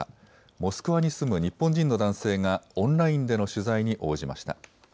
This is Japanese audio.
モスクワに住む日本人の男性がオンラインでの取材に応じました。